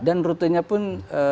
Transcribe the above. dan rutenya pun